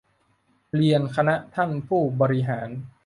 เรียนคณะท่านผู้บริหาร